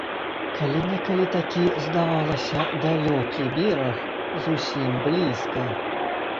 Калі некалі такі, здавалася, далёкі бераг, зусім блізка.